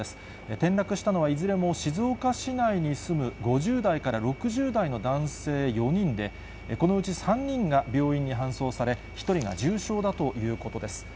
転落したのはいずれも静岡市内に住む５０代から６０代の男性４人で、このうち３人が病院に搬送され、１人が重傷だということです。